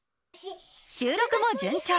収録も順調。